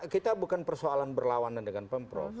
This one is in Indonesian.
kita bukan persoalan berlawanan dengan pemprov